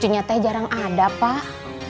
cucunya teh jarang ada pak